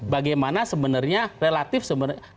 bagaimana sebenarnya relatif sebenarnya